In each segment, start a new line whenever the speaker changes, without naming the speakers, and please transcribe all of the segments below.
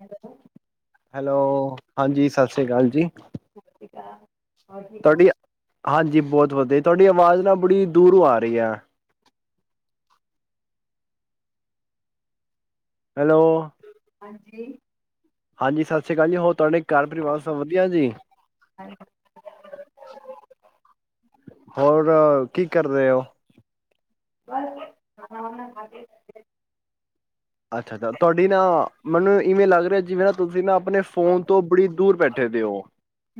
Hello
hello ਹਾਂਜੀ ਸਤਿ ਸ੍ਰੀ ਅਕਾਲ ਜੀ
ਸਤ ਸ਼੍ਰੀ ਅਕਾਲ ਜੀ
ਤੁਹਾਡੀ ਹਾਂਜੀ ਬਹੁਤ ਵਧੀਆ ਤੁਹਾਡੀ ਆਵਾਜ਼ ਨਾ ਬੜੀ ਦੂਰੋਂ ਆ ਰਹੀ ਹੈ ਹੈਲੋ
ਹਾਂਜੀ
ਹਾਂਜੀ ਸਤਿ ਸ੍ਰੀ ਅਕਾਲ ਜੀ ਹੋਰ ਤੁਹਾਡੇ ਘਰ ਪਰਿਵਾਰ ਸਭ ਵਧੀਆ ਜੀ
ਹਾਂਜੀ,
ਹੋਰ ਕੀ ਕਰ ਰਹੇ ਹੋ
ਬਸ ਖਾਣਾ ਵਾਣਾ ਖਾਕੇ
ਅੱਛਾ ਅੱਛਾ ਤੁਹਾਡੀ ਨਾ ਮੈਨੂੰ ਇਵੇਂ ਲੱਗ ਰਿਹਾ ਜਿਵੇਂ ਨਾ ਤੁਸੀਂ ਨਾ ਆਪਣੇ ਫੋਨ ਤੋਂ ਬੜੀ ਦੂਰ ਬੈਠੇ ਦੇ ਹੋ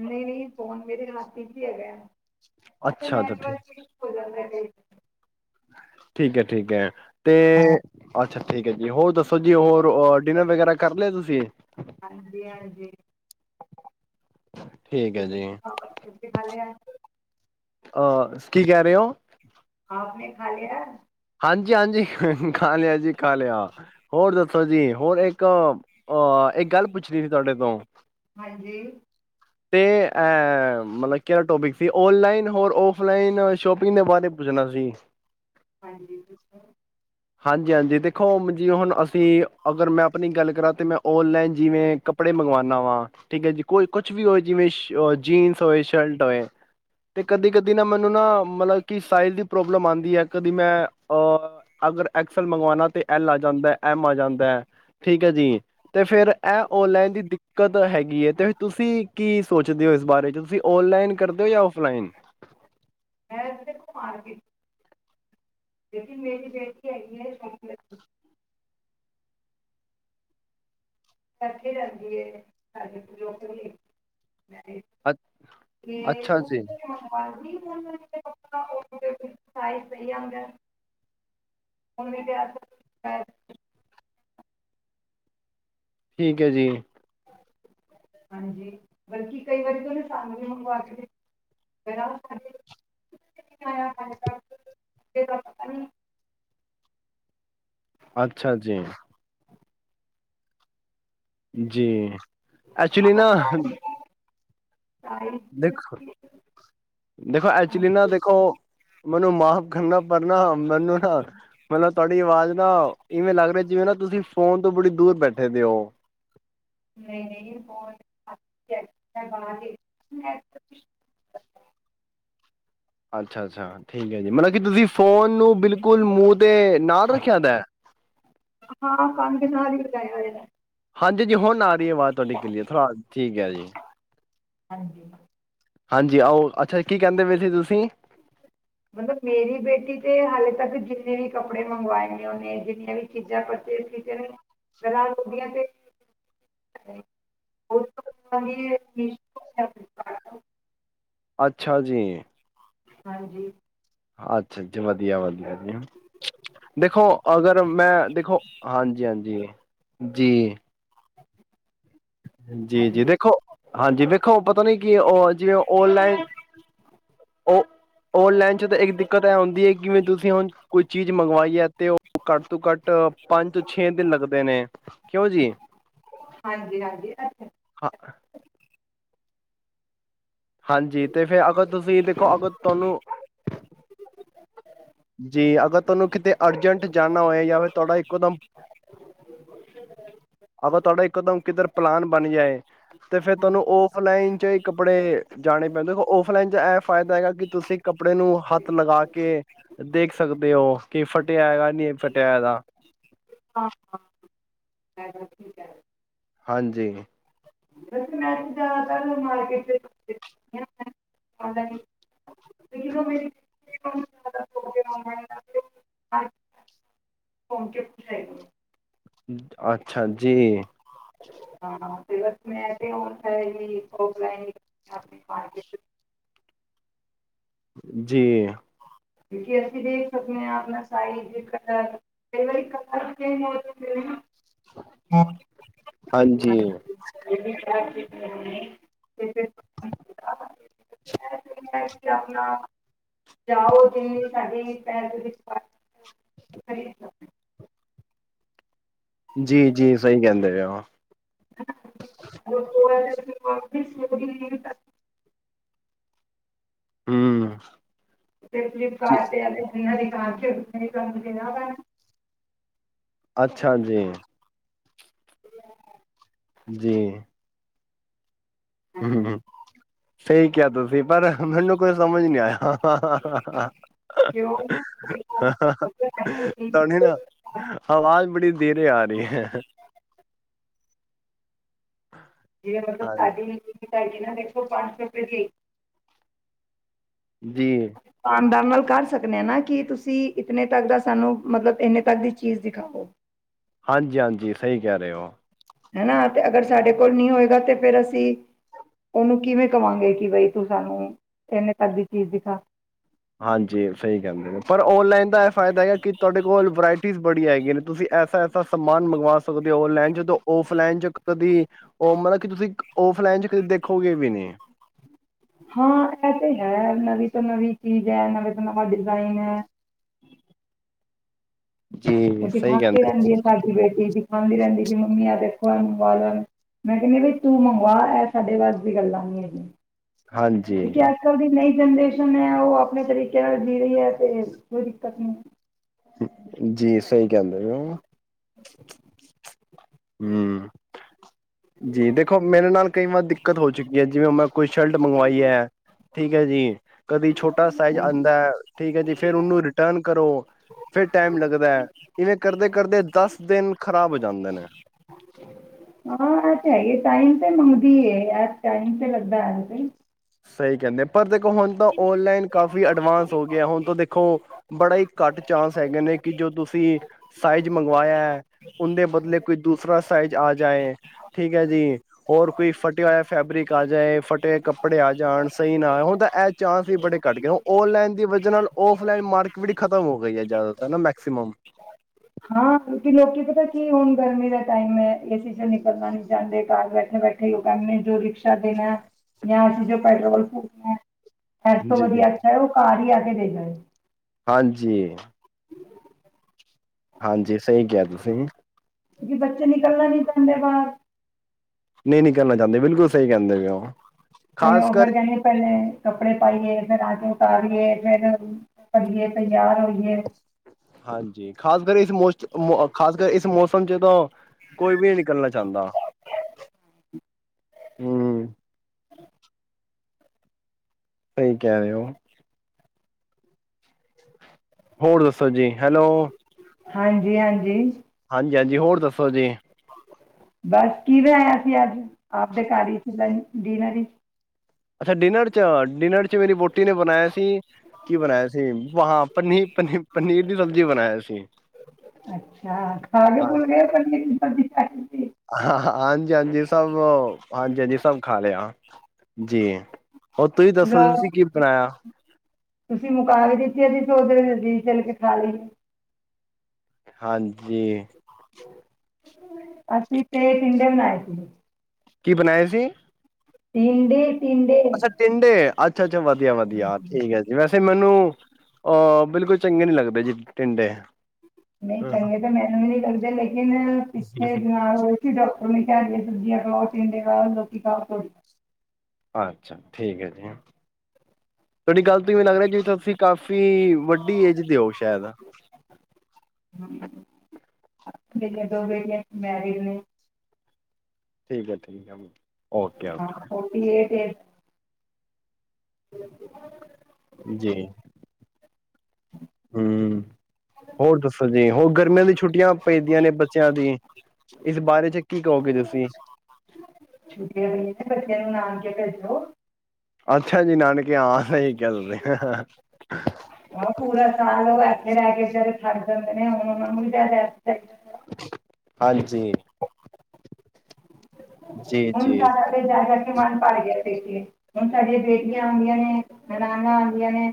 ਨੀ ਨੀ ਫੋਨ ਮੇਰੇ ਹੱਥ ਵਿੱਚ ਹੀ ਹੈਗਾ ਅੱਛਾ ਨੈਟਵਰਕ ਇਸ਼ੂ ਹੋ ਜਾਂਦਾ ਕਈ
ਠੀਕ ਹੈ ਠੀਕ ਹੈ ਤੇ ਅੱਛਾ ਠੀਕ ਹੈ ਜੀ ਹੋਰ ਦੱਸੋ ਸੋ ਜੀ ਹੋਰ ਡਿਨਰ ਵਗੈਰਾ ਕਰ ਲਿਆ ਤੁਸੀਂ
ਹਾਂਜੀ ਹਾਂਜੀ
ਠੀਕ ਹੈ
ਤੁਸੀਂ
ਜੀ
ਸੁਣਾਓ ਤੁਸੀਂ ਖਾ ਲਿਆ
ਅਹ ਕੀ ਕਹਿ ਰਹੇ ਹੋ
ਆਪ ਨੇ ਖਾ ਲਿਆ
ਹਾਂਜੀ ਹਾਂਜੀ ਖਾ ਲਿਆ ਜੀ ਖਾ ਲਿਆ ਹੋਰ ਦੱਸੋ ਜੀ ਹੋਰ ਇੱਕ ਅ ਇੱਕ ਗੱਲ ਪੁੱਛਣੀ ਸੀ ਤੁਹਾਡੇ ਤੋਂ
ਹਾਂਜੀ
ਤੇ ਅ ਮਤਲਬ ਕਿਹੜਾ ਟੋਪਿਕ ਸੀ ਓਨਲਾਈਨ ਹੋਰ ਆਫਲਾਈਨ ਸ਼ੋਪਿੰਗ ਦੇ ਬਾਰੇ ਪੁੱਛਣਾ ਸੀ
ਹਾਂਜੀ ਪੁੱਛੋ
ਹਾਂਜੀ ਹਾਂਜੀ ਦੇਖੋ ਜੀ ਹੁਣ ਅਸੀਂ ਅਗਰ ਮੈਂ ਆਪਣੀ ਗੱਲ ਕਰਾਂ ਤੇ ਮੈਂ ਓਨਲਾਈਨ ਜਿਵੇਂ ਕੱਪੜੇ ਮੰਗਵਾਨਾ ਵਾਂ ਠੀਕ ਹੈ ਜੀ ਕੋਈ ਕੁਛ ਵੀ ਹੋਵੇ ਜਿਵੇਂ ਜੀਨਸ ਹੋਏ, ਸ਼ਰਟ ਹੋਏ ਤੇ ਕਦੀ ਕਦੀ ਨਾ ਮੈਨੂੰ ਨਾ ਮਤਲਬ ਕੀ ਸਾਈਜ਼ ਦੀ ਪ੍ਰੋਬਲਮ ਆਂਦੀ ਹੈ ਕਦੀ ਮੈਂ ਅਹ ਅਗਰ ਐਕਸਲ ਮੰਗਵਾਉਣਾ ਤੇ ਐਲ ਆ ਜਾਂਦਾ, ਐਮ ਆ ਜਾਂਦਾ ਹੈ, ਠੀਕ ਹੈ ਜੀ। ਤੇ ਫੇਰ ਇਹ ਓਨਲਾਈਨ ਦੀ ਦਿੱਕਤ ਹੈਗੀ ਹੈ, ਤੇ ਤੁਸੀਂ ਕੀ ਸੋਚਦੇ ਹੋ? ਇਸ ਬਾਰੇ ਚ ਤੁਸੀਂ ਓਨਲਾਈਨ ਕਰਦੇ ਹੋ ਜਾਂ ਓਫਲਾਈਨ?
ਮੈਂ ਦੇਖੋ ਮਾਰਕੀਟ ਲੇਕਿਨ ਮੇਰੀ ਬੇਟੀ ਹੈਗੀ ਹੈ ਇਥੇ ਰਹਿੰਦੀ ਏ ਸਾਡੇ ਲੋਕਲ ਹੀ
ਅ
ਤੇ
ਅੱਛਾ
ਉਹ
ਜੀ
ਓਨਲਾਈਨ ਤੇ ਕਪੜਾ ਹੋਰ ਤੇ ਸਾਈਜ ਸਹੀ ਆਂਦਾ। ਓਨੇ ਕਿਹਾ
ਠੀਕ ਹੈ ਜੀ।
ਹਾਂਜੀ, ਬਲਕਿ ਕਈ ਵਾਰੀ ਤੇ ੳਹਨੇ ਸਾਨੁ ਵੀ ਮੰਗਵਾ ਕੇ ਦਿਤ
ਅੱਛਾ ਜੀ। ਜੀ ਐਕਚੁਲੀ
ਆਪ
ਨਾ
ਸਾਰੇ ਸਾਈਜ਼
ਦੇਖੋ, ਦੇਖੋ ਐਕਚੁਲੀ ਨਾ ਦੇਖੋ ਮੈਨੂੰ ਮਾਫ਼ ਕਰਨਾ ਪਰਨਾ, ਮੈਨੂੰ ਨਾ ਮਤਲਬ ਤੁਹਾਡੇ ਆਵਾਜ਼ ਨਾ ਇਵੇਂ ਲੱਗ ਰਿਹਾ ਜਿਵੇਂ ਨਾ ਤੁਸੀਂ ਫੋਨ ਤੋਂ ਬੜੀ ਦੂਰ ਬੈਠੇ ਦੇ ਉਹ
ਨਹੀਂ, ਨਹੀਂ।
ਹਾਂਜੀ। ਅੱਛਾ, ਅੱਛਾ ਠੀਕ ਹੈ ਜੀ, ਮਤਲਬ ਕੀ ਤੁਸੀਂ ਫੋਨ ਨੂੰ ਬਿਲਕੁਲ ਮੂੰਹ ਤੇ ਨਾਲ ਰੱਖਿਆ ਦਾ।
ਹਾਂ ਕੰਨ ਦੇ ਨਾਲ ਹੀ ਲਗਾਇਆ ਹੋਆ।
ਹਾਂਜੀ ਜੀ, ਹੁਣ ਆ ਆਵਾਜ਼ ਤੁਹਾਡੀ ਕਲੀਅਰ ਥੋੜ ਠੀਕ ਹੈ ਜੀ।
ਹਾਂਜੀ।
ਹਾਂਜੀ ਓ
ਮਤਲਬ ਮੇਰੀ ਬੇਟੀ ਤੇ ਹਾਲੇ ਤੱਕ ਜਿੰਨੇ ਵੀ ਕੱਪੜੇ ਮੰਗਵਾਏ ਨੇ ਉਹਨੇ ਜਿੰਨੀਆਂ ਵੀ ਚੀਜ਼ਾਂ ਪਰਚੇਸ ਕੀਤੀਆਂ
ਅੱਛਾ ਜੀ।
ਹਾਂਜੀ।
ਅੱਛਾ, ਅੱਛਾ, ਵਧੀਆ, ਵਧੀਆ। ਦੇਖੋ, ਅਗਰ ਮੈਂ ਦੇਖੋ, ਹਾਂਜੀ, ਹਾਂਜੀ। ਜੀ। ਜੀ
ਹਾਂਜੀ
ਜੀ ਦੇਖੋ, ਹਾਂਜੀ ਦੇਖੋ, ਪਤਾ ਨੀ ਕੀ ਉਹ ਜਿਵੇਂ ਓਨਲਾਈਨ ਉਹ ਓਨਲਾਈਨ ਚ ਤਾਂ ਇੱਕ ਦਿੱਕਤ ਇਹ ਹੁੰਂਦੀ ਹੈ ਕਿਵੇ ਤੁਸੀਂ ਹੁਣ ਕੋਈ ਚੀਜ਼ ਮੰਗਵਾਈ ਹੈ ਤੇ ਉਹ ਘੱਟ ਤੋਂ ਘੱਟ ਪੰਜ ਤੋਂ ਛੇ ਦਿਨ ਲੱਗਦੇ ਨੇ, ਕਿਉਂ ਜੀ?
ਹਾਂਜੀ ਹਾਂਜੀ ਅੱਛਾ
ਹਾਂ। ਹਾਂਜੀ, ਤੇ ਫਿਰ ਅਗਰ ਤੁਸੀਂ, ਦੇਖੋ ਅਗਰ ਤੁਹਾਨੂੰ ਜੀ ਅਗਰ ਤੁਹਾਨੂੰ ਕਿਤੇ ਅਰਜੈਂਟ ਜਾਣਨਾ ਹੋਏ ਜਾਂ ਫਿਰ ਤੁਹਾਡਾ ਇੱਕੋ ਦਮ
ਹ
ਅਗਰ ਤੁਹਾਡਾ ਇੱਕੋਦਮ ਕਿੱਧਰ ਪਲਾਨ ਬਣ ਜਾਏ ਤੇ ਫੇਰ
ਹਾਂਜੀ
ਤੁਹਾਨੂੰ ਔਫਲਾਈਨ ' ਹੀ ਕੱਪੜੇ ਜਾਣੇ ਪੈਂਦੇ ਦੇਖੋ ਔਫਲਾਈਨ ਚ ਇਹ ਫਾਇਦਾ ਹੈਗਾ ਕਿ ਤੁਸੀਂ ਕੱਪੜੇ ਨੂੰ ਹੱਥ ਲਗਾ ਕੇ ਦੇਖ ਸਕਦੇ ਹੋ ਕਿ ਫਟਿਆ ਹੈਗਾ ਨਹੀਂ ਫਟਿਆ ਹੈਗਾ
ਹਾਜੀ ਠੀਕ ਕਹ ਰਹੇ ਹੋ
ਹਾਂਜੀ
ਮੈਨਾ ਮਾਰਕੀਟ [unintelligible]
ਅੱਛਾ ਜੀ
ਹਾਂ ਤੇ ਬਸ ਮੈਂ ਤੇ ਹੁਣ ਔਨਲਾਈਨ ਹੀ ਔਫਲਾਈਨ ਹੀ
ਜੀ
ਕਿਉਂਕ ਅਸੀਂ ਦੇਖ ਸਕਦੇ ਹਾਂ ਆਪਣਾ ਸਟਾਈਲ ਇਕ ਅਧਾ, ਕਈ ਞਾਰੀ ਕਲਰ ਚੇਨਜ ਹੋ ਜਾਦਾ ਨਾ
ਹਾਂਜੀ
ਜਿਹੜੀ ਆਪਣਾ ਜਾਓ ਜਵੇ ਸਾਡੀ ਫੇਮਲੀ
ਜੀ ਜੀ ਸਹੀ ਕਹਿੰਦੇ ਆ
[inaudible]
ਹਮ
ਫਲਿੱਪਕਾਰਟ ਤੇ ਆ ਨ ਹ ਦੇ ਕ ਕੈਣਾ
ਅੱਛਾ ਜੀ
ਹ
ਜੀ ਹਮਮ ਸਹੀ ਕਿਹਾ ਤੁਸੀਂ ਪਰ ਮੈਨੂੰ ਕੋਈ ਸਮਝ ਨਹੀਂ ਆਇਆ,
ਕਿਉਂ ਦੇਖੋ
ਤੁਹਾਡੀ ਨਾ ਆਵਾਜ਼ ਬੜੀ ਦੇਰੇ ਆ ਰਹੀ ਹੈ
ਜਿਵੇਂ ਮਤਲਬ
ਹਾਂਜੀ,
ਸਾਡੀ ਤਾਡੀ ਨਾ ਦੇਖੋ ਪੰਜ ਸੌਪ
ਜੀ
ਖਾਂਡਾਂ ਨਾਲ ਕਰ ਸਕਦੇ ਹਾਂ ਨਾ ਕਿ ਤੁਸੀਂ ਇਤਨੇ ਤੱਕ ਦਾ ਸਾਨੂੰ ਮਤਲਬ ਇੰਨੇ ਤੱਕ ਦੀ ਚੀਜ਼ ਦਿਖਾਵੋ
ਹਾਂਜੀ ਹਾਂਜੀ ਸਹੀ ਕਹਿ ਰਹੇ ਹੋ
ਹਨਾ ਤੇ ਅਗਰ ਸਾਡੇ ਕੋਲ ਨਹੀਂ ਹੋਏਗਾ ਤੇ ਫਿਰ ਅਸੀਂ ਉਹਨੂੰ ਕਿਵੇਂ ਕਵਾਂਗੇ ਕਿ ਬਈ ਤੂੰ ਸਾਨੂੰ ਇਹਨੇ ਤੱਕ ਦੀ ਚੀਜ਼ ਦਿਖਾ
ਹਾਂਜੀ ਸਹੀ ਕਹਿੰਦੇ ਨੇ ਪਰ ਓਨਲਾਈਨ ਦਾ ਇਹ ਫਾਇਦਾ ਹੈਗਾ ਕਿ ਤੁਹਾਡੇ ਕੋਲ ਵਰਾਇਟੀ ਬੜੀ ਹੈਗੇ ਨੇ ਤੁਸੀਂ ਐਸਾ ਐਸਾ ਸਮਾਨ ਮੰਗਵਾ ਸਕਦੇ ਹੋ ਓਨਲਾਈਨ ਜਦੋਂ ਓਫਲਾਈਨ ਜ ਕਦੀ ਉਹ ਮਤਲਬ ਕਿ ਤੁਸੀਂ ਫ ਭੈਣ ਜੀ ਕਦੀ ਵੇਖੋਗੇ ਵੀ ਨਹੀਂ ਹਮ
ਹਾਂ ਇਹ ਤੇ ਹੈ ਨਵੀਂ ਤੋਂ ਨਵੀਂ ਚੀਜ਼ ਹੈ ਨਵੇਂ ਤੋਂ ਨਵਾਂ ਡਿਜ਼ਾਇਨ ਹੈ ਹ
ਜੀ ਸਹੀ
ਦਿਖਾਉਂਦੀ
ਕਹਿੰਦੇ
ਰਹਿੰਦੀ ਹੈ ਸਾਡੀ ਬੇਟੀ, ਦਿਖਾਉਂਦੀ ਰਾਂਹਿਦੀ ਕਿ ਮੰਮੀ ਆ ਦੇਖੋ ਮੰਗਞਾ ਲੋ, ਮੈਂ ਕਹਿੰਦੀ ਬਈ ਤੂੰ ਮੰਗਵਾ ਐ ਸਾਡੇ ਵਸ ਦੀ ਗੱਲਾਂ ਨੀ ਹੈਗੀਆਂ ਕਿਉਕਿ
ਹਾਂਜੀ,
ਅੱਜ ਕੱਲ ਦੀ ਨਹੀਂ ਜਨਰੇਸ਼ਨ ਹੈ ਉਹ ਆਪਣੇ ਤਰੀਕੇ ਨਾਲ ਜੀ ਰਹੀ ਹੈ ਤੇ ਕੋਈ ਦਿੱਕਤ ਨਹੀਂ
ਜੀ ਸਹੀ ਕਹਿੰਦੇ ਹੂੰ ਜੀ ਦੇਖੋ ਮੇਰੇ ਨਾਲ ਕਈ ਵਾਰ ਦਿੱਕਤ ਹੋ ਚੁੱਕੀ ਹੈ ਜਿਵੇਂ ਮੈਂ ਕੋਈ ਸ਼ਰਟ ਮੰਗਵਾਈ ਹੈ ਠੀਕ ਹੈ ਜੀ ਕਦੀ ਛੋਟਾ ਸਾਈਜ਼
ਹੈ।
ਆਂਦਾ ਠੀਕ ਹੈ ਜੀ ਫਿਰ ਉਹਨੂੰ ਰਿਟਰਨ ਕਰੋ ਫਿਰ ਟਾਈਮ ਲੱਗਦਾ ਇਵੇਂ ਕਰਦੇ ਕਰਦੇ ਦਸ ਦਿਨ ਖ਼ਰਾਬ ਹੋ ਜਾਂਦੇ ਨੇ
ਹਾਂ ਤਾਂ ਹੈਗੀ ਟਾਈਮ ਤੇ ਮੰਗਦੀ ਹੈ ਟਾਈਮ ਤੇ ਲੱਗਦਾ ਹੈ ਜੀ
ਸਹੀ ਕਹਿੰਦੇ ਪਰ ਦੇ ਹੁਣ ਤਾਂ ਓਨਲਾਈਨ ਕਾਫੀ ਅਡਵਾਂਸ ਹੋ ਗਿਆ ਹੁਣ ਤਾਂ ਦੇਖੋ ਬੜਾ ਹੀ ਘੱਟ ਚਾਂਸ ਹੈਗੇ ਨੇ ਕਿ ਜੋ ਤੁਸੀਂ ਸਾਈਜ਼ ਮੰਗਵਾਇਆ ਹੈ ਉਹਦੇ ਬਦਲੇ ਕੋਈ ਦੂਸਰਾ ਸਾਈਜ਼ ਆ ਜਾਏ ਠੀਕ ਹੈ ਜੀ ਹੋਰ ਕੋਈ ਫਟਿਆ ਹੋਇਆ ਫੈਬਰਿਕ ਆ ਜਾਏ ਫਟੇ ਕੱਪ ਨੇ ਆ ਜਾਣ ਸਹੀ ਨਾ ਹੁਣ ਤਾਂ ਇਹ ਚਾਂਸ ਹੀ ਬੜੇ ਘੱਟ ਗਏ ਨੇ ਔਨਲਾਈਨ ਦੀ ਵਜ੍ਹਾ ਨਾਲ ਔਫਲਾਈਨ ਮਾਰਕੀਟ ਬੜੀ ਖਤਮ ਹੋ ਗਈ ਹੈ ਜ਼ਿਆਦਾਤਰ ਮੈਕਸੀ ਮਮ
ਹਾਂ ਕਿਉਕਿ ਲੋਕੀ ਪਤਾ ਕੀ ਹੁਣ ਗਰਮੀ ਦੇ ਟਾਈਮ ਏਸੀ ਚ ਨਿਕਲਣਾ ਨਹੀਂ ਚਾਹੁੰਦੇ ਕਾਰ ਬੈਠੇ ਬੈਠੇ ਉਹ ਕਹਿੰਦੇ ਨੇ ਜੋ ਰਿਕਸ਼ਾ ਦੇਣਾ ਜਾਂ ਅਸੀਂ ਜੋ ਪੈਟਰੋਲ ਫੁਕਣਾ ਏਸ ਤੋਂ
ਜੀ
ਵਧੀਆ ਅੱਛਾ ਉਹ ਘਰ ਹੀ [unintelligible]
ਹਾਂਜੀ ਹਾਂਜੀ ਸਹੀ ਕਿਹਾ ਤੁਸੀਂ
ਕਿਉਂਕਿ ਬੱਚੇ ਨਿਕਲਣਾ ਨੀ ਚਾਹੁੰਦੇ ਬਾਹਰ
ਨਹੀਂ ਨਿਕਲਨਾ ਚਾਹੁੰਦੇ ਬਿਲਕੁਲ ਸਹੀ ਕਹਿੰਦੇ ਪਏ ਹੋ
ਤੇ
ਖਾਸ
ਉਹ
ਕਰ
ਫਿਰ ਕਹਿਣਗੇ ਪਹਿਲੇ ਕੱਪੜੇ ਪਾਈਏ ਫਿਰ ਆ ਕੇ ਉਤਾਰੀਏ ਫਿਰ ਉਤਾਰੀਏ ਤਿਆਰ ਹੋਏ
ਹਾਂਜੀ ਖਾਸ ਕਰ ਇਸ ਖ਼ਾਸ ਕਰ ਇਸ ਮੌਸਮ ਚ ਤਾਂ ਕੋਈ ਵੀ ਨਹੀਂ ਨਿਕਲਣਾ ਚਾਹੁੰਦਾ ਹੂੰ ਸਹੀ ਕਹਿ ਰਹੇ ਹੋ ਹੋਰ ਦੱਸੋ ਜੀ ਹੈਲੋ
ਹਾਂਜੀ ਹਾਂਜੀ
ਹਾਂਜੀ ਹਾਂਜੀ ਹੋਰ ਦੱਸੋ ਜੀ
ਬਸ ਕਿਵੇਂ ਆਇਆ ਸੀ ਅੱਜ ਆਪਦੇ ਘਰ ਹੀ [unintelligible] ਡਿਂਨਰ
ਅੱਛਾ ਡਿਂਨਰ ਚ ਡਿਨਰ ਮੇਰੀ ਵਹੁਟੀ ਨੇ ਬਣਾਇਆ ਸੀ ਕੀ ਬਣਾਇਆ ਸੀ ਹਾਂ ਪਨੀਰ ਪਨੀਰ ਦੀ ਸਬਜ਼ੀ ਬਣਾਈ ਸੀ
ਅੱਛਾ ਖਾ ਕੇ ਭੁੱਲ ਗਏ ਪਨੀਰ ਦੀ ਸਬਜ਼ੀ ਖਾਈ ਸੀ
ਹਾਂ ਹਾਂਜੀ ਹਾਂਜੀ ਸਭ ਹਾਂਜੀ ਹਾਂਜੀ ਸਭ ਖਾ ਲਿਆ ਜੀ ਹੋਰ ਤੁਸੀਂ ਦੱਸੋ ਤੁਸੀਂ
ਰਾਤ
ਕੀ ਬਣਾਇਆ
ਤੁਸੀਂ ਮੁਕਾ ਕੇ ਦਿੱਤੀ ਅਸੀਂ ਸੋਚਦੇ ਚੱਲ ਕੇ ਖਾ ਲਈਏ
ਹਾਂਜੀ
ਅਸੀਂ ਤੇ ਟਿੰਡੇ ਬਣਾਏ ਸੀ।
ਕੀ ਬਣਾਆ ਸੀ?
ਟਿਂਡੇ।
ਅੱਛਾ ਟਿੰਡੇ, ਅੱਛਾ, ਅੱਛਾ ਵਧੀਆ, ਵਧੀਆ ਠੀਕ ਹੈ ਜੀ ਵੈਸੇ ਮੈਨੂੰ ਅਹ ਬਿਲਕੁਲ ਚੰਗੇ ਨੀ ਲੱਗਦੇ ਜੀ ਟਿੰਡੇ।
ਨਹੀਂ ਚੰਗੇ ਤਾਂ ਮੈਨੂੰ ਵੀ ਨਹੀਂੀ ਲੱਦੇ ਲੇਕਿਨ ਪਿੱਛੇ ਬਿਮਾਰ ਹੋਏ ਸੀ ਮਮੀ ਕਹਿ ਗਈ ਏ ਸਬਜ਼ੀਆਂ ਖਾਉ, ਟਿਂਡੇ ਖਾਉ ਲੋਕੀਂ ਖਾਉ ਥੋੜੀ।
ਅੱਛਾ ਠੀਕ ਹੈ ਜੀ, ਤੁਹਾਡੀ ਗੱਲ ਮੈਨੂੰ ਲੱਗ ਰਿਹਾ ਜੀ ਤੁਸੀਂ ਕਾਫ਼ੀ ਵੱਡੀ ਏਜ ਦਿ ਹੋ ਸ਼ਾਇਦ।
ਮੇਰੀਆਂ ਦੋ ਬੇਟੀਆਂ ਮੈਰਿਡ ਨੇ।
ਠੀਕ ਹੈ, ਠੀਕ ਹੈ। ਓਕੇ
ਹਾਂ ਫੋਟੀ ਇਟ ਇਟ ਹਮ
ਜੀ। ਹਮ, ਹੋਰ ਦੱਸੋ ਜੀ, ਹੋਰ ਗਰਮੀਆਂ ਦੀ ਛੁੱਟੀਆਂ ਪੈਂਦੀਆਂ ਨੇ ਬੱਚਿਆਂ ਦੀ, ਇਸ ਬਾਰੇ ਚ ਕੀ ਕਹੋਗੇ ਤੁਸੀਂ।
ਛੁੱਟੀਆਂ ਪਈਆਂ ਨੇ ਬੱਚਿਆਂ [inaudible]
ਅੱਛਾ ਜੀ ਨਾਨਕ। ਕਿਆ ਸਹੀ ਕਿਹਾ ਤੁ
ਜਿਹੜੇ ਰੈ ਕੇ ਵਿਚਾਰੇ ਛੱਡ ਦਿੰਦੇ ਨੇ ਹੁਣ ਉਹਨਾਂ ਨੂੰ ਜ਼ਿਆਦਾ ਥੋੜ੍ਹਾ।
ਹਾਂਜੀ। ਜੀ
ਹੁਣ ਜਾ
ਜੀ
ਕੇ ਲਿਆ ਮਨ ਭਰ ਗਿਆ ਦੇਖ ਕੇ ਹੁਣ ਸਾਡੀਆਂ ਬੇਟੀਆਂ ਆਉਂਦੀਆਂ ਨੇ, ਨਨਾਨਾ ਆਉਂਦੀਆਂ ਨੇ।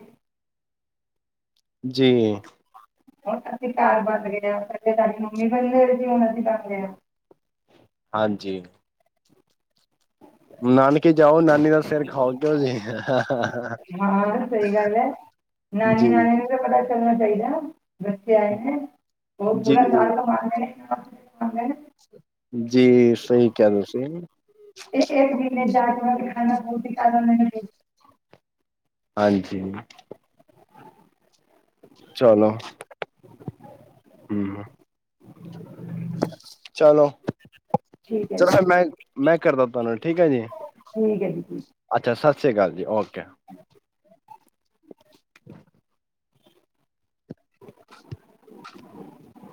ਜੀ।
ਉਹ ਅਸੀਂ ਘਰ ਬਦ ਗਿਆ ਪਹਿਲੇ ਸਾਡੀ ਮੰਮੀ ਬਣ ਗਏ ਸੀ ਹੁਣ ਅਸੀਂ ਬਣ ਗਏ ਆ।
ਹਾਂਜੀ‍‌‍। ਨਾਨਕ- ਕੇ ਜਾਓ। ਨਾਨੀ ਦਾ ਸਿਰ ਖਾਓ ਕਿਉ ਜੀ,
ਹਾਂ ਸਹੀ ਗੱਲ ਹੈ ਨਾਨੀ
ਦੀ।
ਨਾਨੇ ਨੂੰ ਤਾਂ ਪਤਾ ਚੱਲਣਾ ਚਾਹੀਦਾ, ਬੱਚੇ ਆਏ ਨੇ। ਉਹ
ਜੀ
ਪੂਰਾ ਸਾਲ ਤੋਂ ਮਾਰਦੇ ਨੇ। [inaudible]
ਜੀ। ਸਹੀ ਕਿਹਾ ਤੁਸੀਂ
[inaudible]
ਹਾਂਜੀ। ਚਲੋ ਹਮ। ਚਲੋ,
ਠੀਕ ਹੈ ਜੀ
ਚਲੋ, ਮੈਂ ਮੈਂ ਕਰਦਾ ਤੁਹਾਨੂੰ ਠੀਕ ਹੈ ਜੀ,
ਠੀਕ ਹੈ ਜੀ ਠੀਕ
ਅੱਛਾ ਸਤ ਸਤਿ ਸ਼ੀ ਅਕਾਲ ਜੀ ਓਰ। ਕਿਆ [inaudible]
[inaudible]